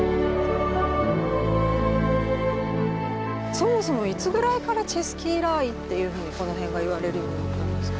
そもそもいつぐらいからチェスキーラーイっていうふうにこの辺がいわれるようになったんですか？